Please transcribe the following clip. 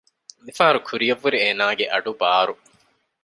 މި ފަހަރު ކުރިއަށްވުރެ އޭނާގެ އަޑު ބާރު